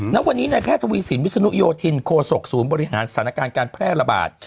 ณวันนี้ในแพทย์ทวีสินวิศนุโยธินโคศกศูนย์บริหารสถานการณ์การแพร่ระบาด